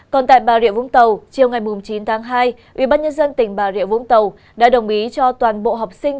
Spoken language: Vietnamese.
còn tại bà rịa vũng tàu chiều ngày chín tháng hai ubnd tỉnh bà rịa vũng tàu đã đồng ý cho toàn bộ học sinh